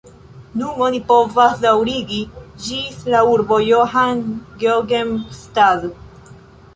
Nun oni povas daŭrigi ĝis la urbo Johann-Geogen-Stadt.